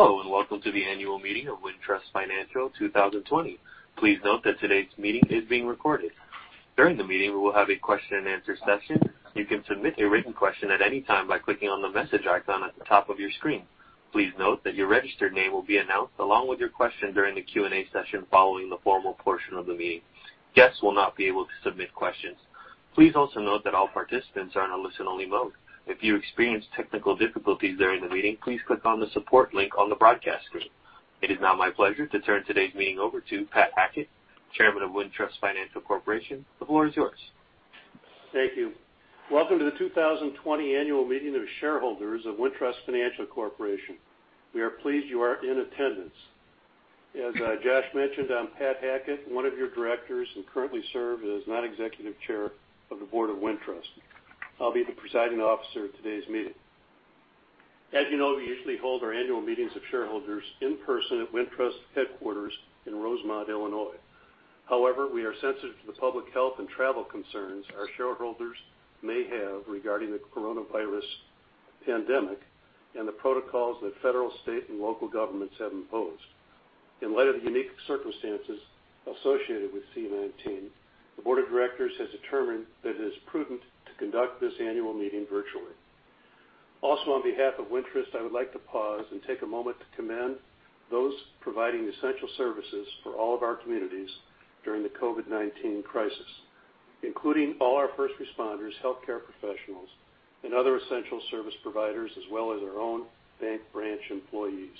Hello, welcome to the annual meeting of Wintrust Financial 2020. Please note that today's meeting is being recorded. During the meeting, we will have a question and answer session. You can submit your written question at any time by clicking on the message icon at the top of your screen. Please note that your registered name will be announced along with your question during the Q&A session following the formal portion of the meeting. Guests will not be able to submit questions. Please also note that all participants are on a listen-only mode. If you experience technical difficulties during the meeting, please click on the support link on the broadcast screen. It is now my pleasure to turn today's meeting over to Pat Hackett, Chairman of Wintrust Financial Corporation. The floor is yours. Thank you. Welcome to the 2020 Annual Meeting of Shareholders of Wintrust Financial Corporation. We are pleased you are in attendance. As Josh mentioned, I'm Pat Hackett, one of your directors, and currently serve as Non-executive Chair of the Board of Wintrust. I'll be the presiding officer at today's meeting. As you know, we usually hold our annual meetings of shareholders in person at Wintrust headquarters in Rosemont, Illinois. However, we are sensitive to the public health and travel concerns our shareholders may have regarding the coronavirus pandemic and the protocols that federal, state, and local governments have imposed. In light of the unique circumstances associated with COVID-19, the board of directors has determined that it is prudent to conduct this annual meeting virtually. Also, on behalf of Wintrust, I would like to pause and take a moment to commend those providing essential services for all of our communities during the COVID-19 crisis, including all our first responders, healthcare professionals, and other essential service providers, as well as our own bank branch employees.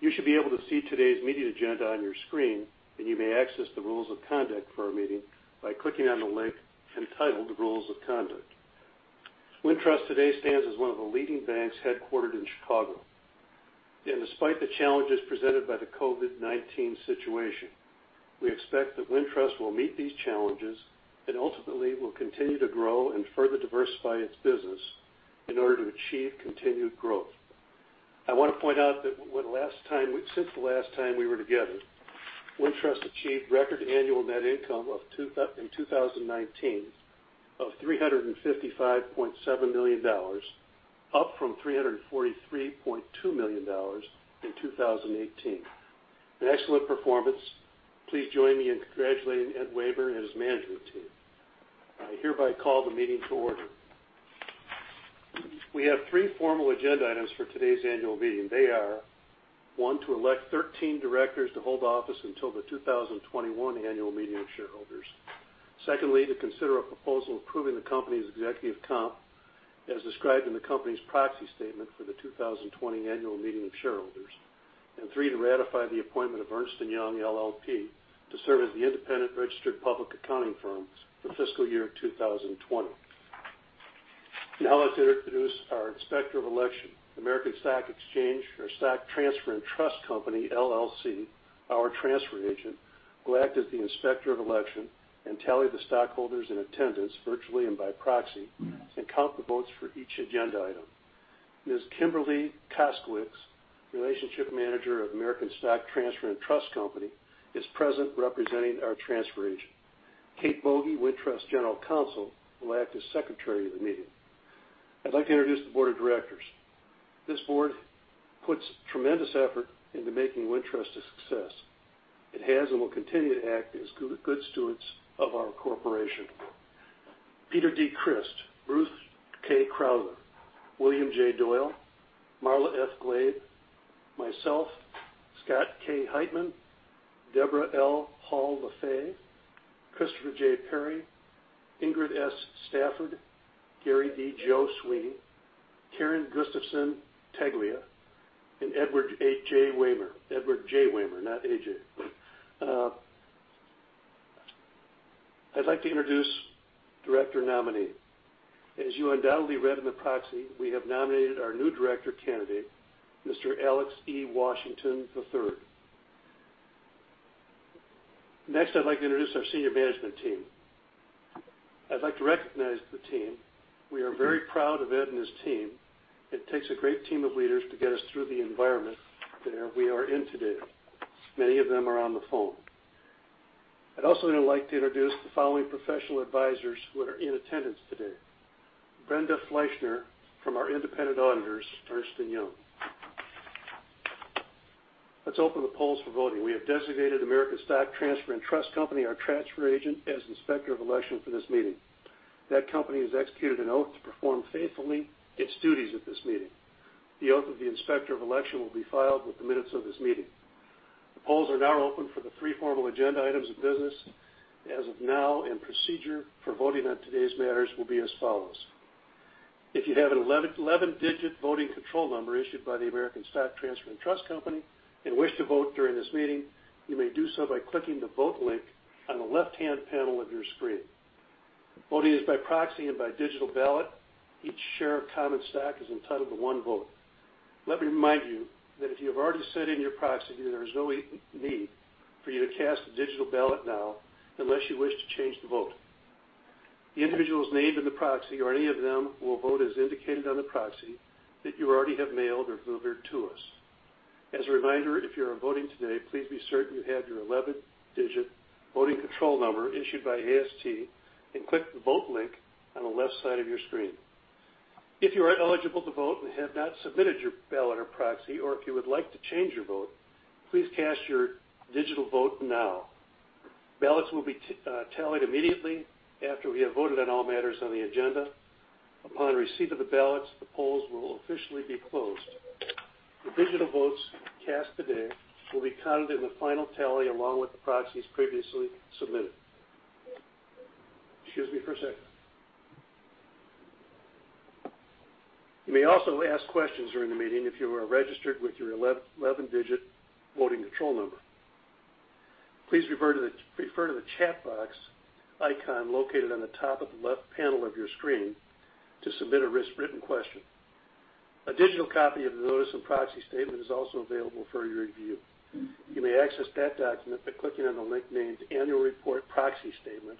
You should be able to see today's meeting agenda on your screen, and you may access the rules of conduct for our meeting by clicking on the link entitled Rules of Conduct. Wintrust today stands as one of the leading banks headquartered in Chicago. Despite the challenges presented by the COVID-19 situation, we expect that Wintrust will meet these challenges and ultimately will continue to grow and further diversify its business in order to achieve continued growth. I want to point out that since the last time we were together, Wintrust achieved record annual net income in 2019 of $355.7 million, up from $343.2 million in 2018. An excellent performance. Please join me in congratulating Ed Wehmer and his management team. I hereby call the meeting to order. We have three formal agenda items for today's annual meeting. They are, one, to elect 13 directors to hold office until the 2021 Annual Meeting of Shareholders. Secondly, to consider a proposal approving the company's executive comp as described in the company's proxy statement for the 2020 Annual Meeting of Shareholders. Three, to ratify the appointment of Ernst & Young LLP to serve as the independent registered public accounting firms for fiscal year 2020. Now I'd like to introduce our Inspector of Election, American Stock Exchange or American Stock Transfer & Trust Company, LLC, our transfer agent, will act as the Inspector of Election and tally the stockholders in attendance, virtually and by proxy, and count the votes for each agenda item. Ms. Kimberly Kosiewicz, Relationship Manager of American Stock Transfer & Trust Company, is present representing our transfer agent. Kate Boege, Wintrust General Counsel, will act as Secretary of the meeting. I'd like to introduce the board of directors. This board puts tremendous effort into making Wintrust a success. It has and will continue to act as good stewards of our corporation. Peter D. Crist, Bruce K. Crowther, William J. Doyle, Marla F. Glabe, myself, Scott K. Heitmann, Deborah L. Hall Lefevre, Christopher J. Perry, Ingrid S. Stafford, Gary D. "Joe" Sweeney, Karin Gustafson Teglia, and Edward J. Wehmer. Edward J. Wehmer, not A.J. I'd like to introduce director nominee. As you undoubtedly read in the proxy, we have nominated our new director candidate, Mr. Alex E. Washington III. I'd like to introduce our senior management team. I'd like to recognize the team. We are very proud of Ed and his team. It takes a great team of leaders to get us through the environment that we are in today. Many of them are on the phone. I'd also like to introduce the following professional advisors who are in attendance today. Brenda Fleishner from our independent auditors, Ernst & Young. Let's open the polls for voting. We have designated American Stock Transfer and Trust Company, our transfer agent, as Inspector of Election for this meeting. That company has executed an oath to perform faithfully its duties at this meeting. The oath of the Inspector of Election will be filed with the minutes of this meeting. The polls are now open for the three formal agenda items of business as of now, and procedure for voting on today's matters will be as follows. If you have an 11-digit voting control number issued by the American Stock Transfer and Trust Company and wish to vote during this meeting, you may do so by clicking the vote link on the left-hand panel of your screen. Voting is by proxy and by digital ballot. Each share of common stock is entitled to one vote. Let me remind you that if you have already sent in your proxy, there is no need for you to cast a digital ballot now unless you wish to change the vote. The individuals named in the proxy or any of them will vote as indicated on the proxy that you already have mailed or delivered to us. As a reminder, if you are voting today, please be certain you have your 11-digit voting control number issued by AST and click the vote link on the left side of your screen. If you are eligible to vote and have not submitted your ballot or proxy, or if you would like to change your vote, please cast your digital vote now. Ballots will be tallied immediately after we have voted on all matters on the agenda. Upon receipt of the ballots, the polls will officially be closed. The digital votes cast today will be counted in the final tally along with the proxies previously submitted. Excuse me for a second. You may also ask questions during the meeting if you are registered with your 11-digit voting control number. Please refer to the chat box icon located on the top of the left panel of your screen to submit a written question. A digital copy of the notice and proxy statement is also available for your review. You may access that document by clicking on the link named Annual Report Proxy Statement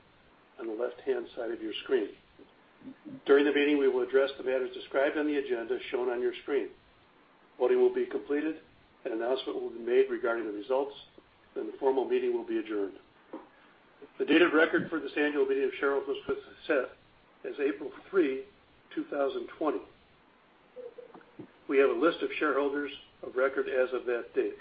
on the left-hand side of your screen. During the meeting, we will address the matters described on the agenda shown on your screen. Voting will be completed, an announcement will be made regarding the results, the formal meeting will be adjourned. The date of record for this annual meeting of shareholders was set as April 3, 2020. We have a list of shareholders of record as of that date.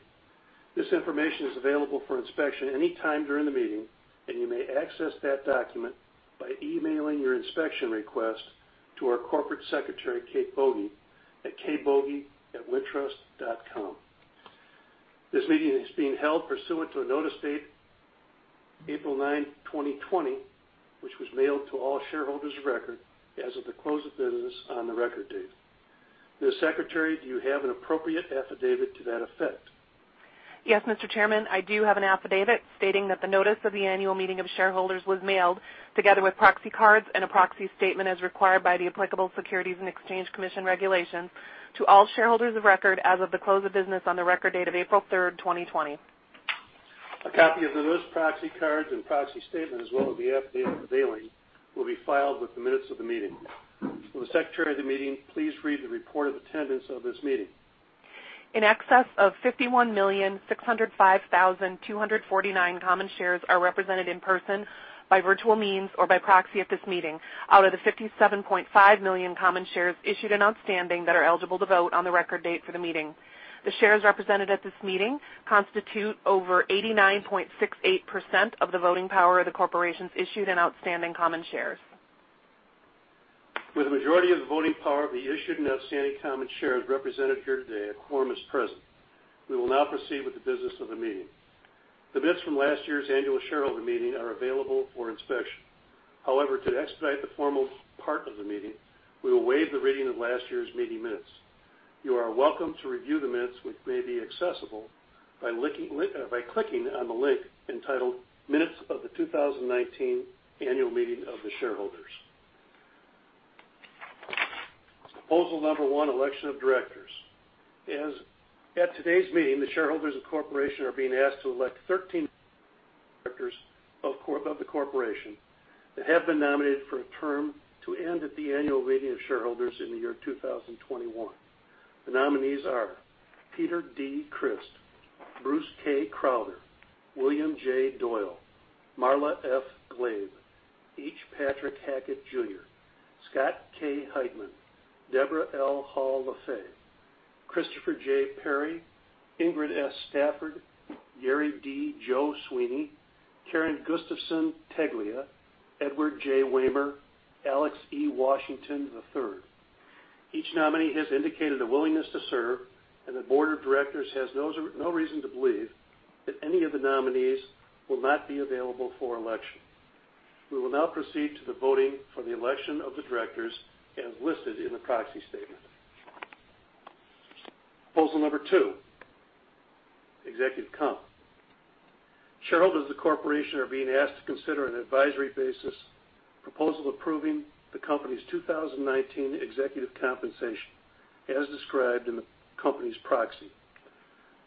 This information is available for inspection any time during the meeting. You may access that document by emailing your inspection request to our corporate secretary, Kate Boege, at kboege@wintrust.com. This meeting is being held pursuant to a notice date, April 9, 2020, which was mailed to all shareholders of record as of the close of business on the record date. Ms. Secretary, do you have an appropriate affidavit to that effect? Yes, Mr. Chairman, I do have an affidavit stating that the notice of the annual meeting of shareholders was mailed, together with proxy cards and a proxy statement as required by the applicable Securities and Exchange Commission regulations to all shareholders of record as of the close of business on the record date of April 3rd, 2020. A copy of the notice, proxy cards, and proxy statement, as well as the affidavit of mailing, will be filed with the minutes of the meeting. Will the secretary of the meeting please read the report of attendance of this meeting? In excess of 51,605,249 common shares are represented in person, by virtual means, or by proxy at this meeting, out of the 57.5 million common shares issued and outstanding that are eligible to vote on the record date for the meeting. The shares represented at this meeting constitute over 89.68% of the voting power of the Corporation's issued and outstanding common shares. With a majority of the voting power of the issued and outstanding common shares represented here today, a quorum is present. We will now proceed with the business of the meeting. The minutes from last year's annual shareholder meeting are available for inspection. However, to expedite the formal part of the meeting, we will waive the reading of last year's meeting minutes. You are welcome to review the minutes, which may be accessible by clicking on the link entitled Minutes of the 2019 Annual Meeting of the Shareholders. Proposal number one, election of directors. At today's meeting, the shareholders of the corporation are being asked to elect 13 directors of the corporation that have been nominated for a term to end at the annual meeting of shareholders in the year 2021. The nominees are Peter D. Crist, Bruce K. Crowther, William J. Doyle, Marla F. Glabe, H. Patrick Hackett, Jr., Scott K. Heitmann, Deborah L. Hall Lefevre, Christopher J. Perry, Ingrid S. Stafford, Gary D. Joe Sweeney, Karin Gustafson Teglia, Edward J. Wehmer, Alex E. Washington III. Each nominee has indicated a willingness to serve, and the board of directors has no reason to believe that any of the nominees will not be available for election. We will now proceed to the voting for the election of the directors as listed in the proxy statement. Proposal number two, executive comp. Shareholders of the corporation are being asked to consider an advisory basis proposal approving the company's 2019 executive compensation as described in the company's proxy.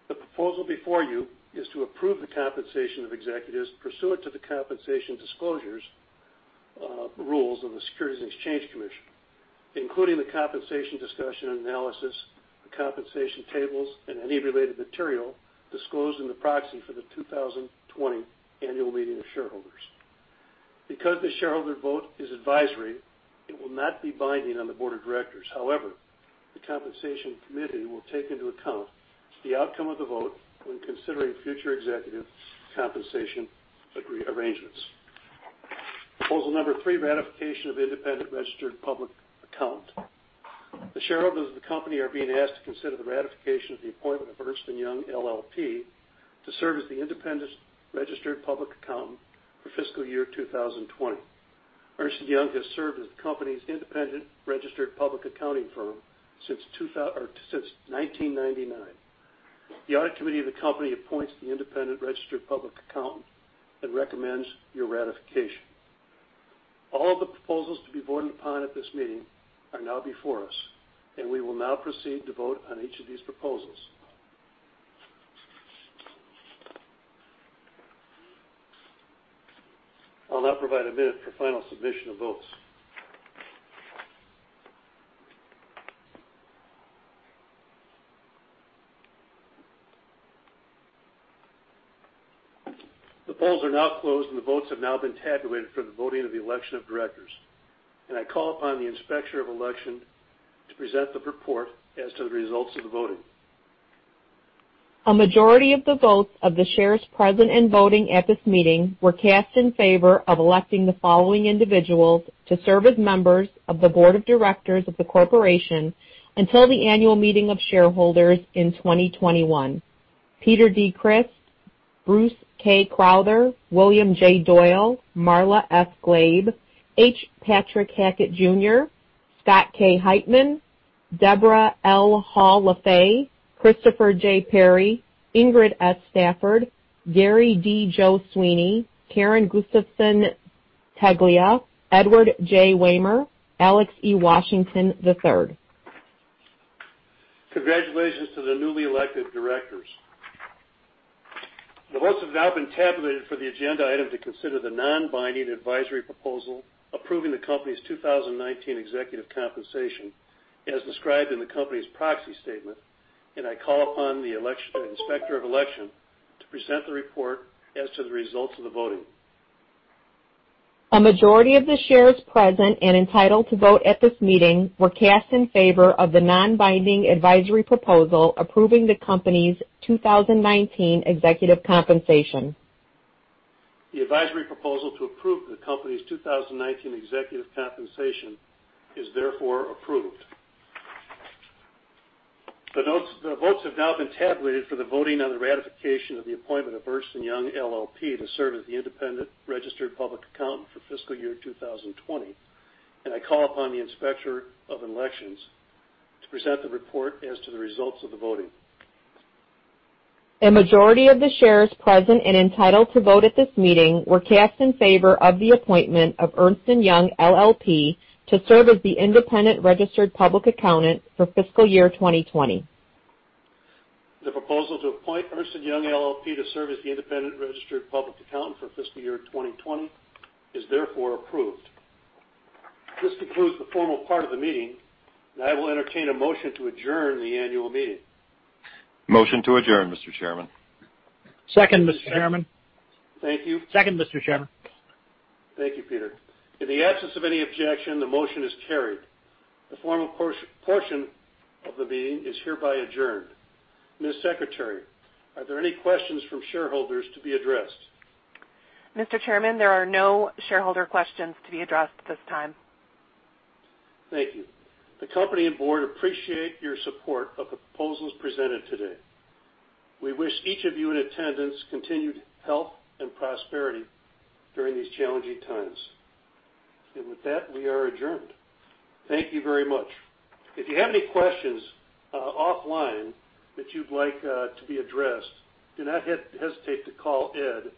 The proposal before you is to approve the compensation of executives pursuant to the compensation disclosures, rules of the Securities and Exchange Commission, including the compensation discussion and analysis, the compensation tables, and any related material disclosed in the proxy for the 2020 annual meeting of shareholders. Because the shareholder vote is advisory, it will not be binding on the board of directors. However, the compensation committee will take into account the outcome of the vote when considering future executive compensation arrangements. Proposal number three, ratification of independent registered public accountant. The shareholders of the company are being asked to consider the ratification of the appointment of Ernst & Young LLP to serve as the independent registered public accountant for fiscal year 2020. Ernst & Young has served as the company's independent registered public accounting firm since 1999. The audit committee of the company appoints the independent registered public accountant and recommends your ratification. All of the proposals to be voted upon at this meeting are now before us, and we will now proceed to vote on each of these proposals. I'll now provide a minute for final submission of votes. The polls are now closed, and the votes have now been tabulated for the voting of the election of directors. I call upon the inspector of election to present the report as to the results of the voting. A majority of the votes of the shares present and voting at this meeting were cast in favor of electing the following individuals to serve as members of the board of directors of the corporation until the annual meeting of shareholders in 2021. Peter D. Crist, Bruce K. Crowther, William J. Doyle, Marla F. Glabe, H. Patrick Hackett Jr., Scott K. Heitmann, Deborah L. Hall Lefevre, Christopher J. Perry, Ingrid S. Stafford, Gary D. Joe Sweeney, Karin Gustafson Teglia, Edward J. Wehmer, Alex E. Washington III. Congratulations to the newly elected directors. The votes have now been tabulated for the agenda item to consider the non-binding advisory proposal approving the company's 2019 executive compensation, as described in the company's proxy statement. I call upon the inspector of election to present the report as to the results of the voting. A majority of the shares present and entitled to vote at this meeting were cast in favor of the non-binding advisory proposal approving the company's 2019 executive compensation. The advisory proposal to approve the company's 2019 executive compensation is therefore approved. The votes have now been tabulated for the voting on the ratification of the appointment of Ernst & Young LLP to serve as the independent registered public accountant for fiscal year 2020. I call upon the inspector of elections to present the report as to the results of the voting. A majority of the shares present and entitled to vote at this meeting were cast in favor of the appointment of Ernst & Young LLP to serve as the independent registered public accountant for fiscal year 2020. The proposal to appoint Ernst & Young LLP to serve as the independent registered public accountant for fiscal year 2020 is therefore approved. This concludes the formal part of the meeting. I will entertain a motion to adjourn the annual meeting. Motion to adjourn, Mr. Chairman. Second, Mr. Chairman. Thank you, Peter. In the absence of any objection, the motion is carried. The formal portion of the meeting is hereby adjourned. Ms. Secretary, are there any questions from shareholders to be addressed? Mr. Chairman, there are no shareholder questions to be addressed at this time. Thank you. The company and board appreciate your support of the proposals presented today. We wish each of you in attendance continued health and prosperity during these challenging times. With that, we are adjourned. Thank you very much. If you have any questions offline that you'd like to be addressed, do not hesitate to call Ed,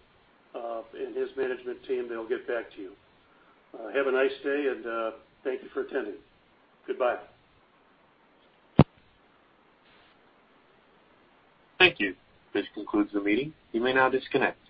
and his management team, they'll get back to you. Have a nice day, and thank you for attending. Goodbye. Thank you. This concludes the meeting. You may now disconnect.